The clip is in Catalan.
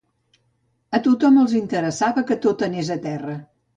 A tothom els interessava que tot anés a terra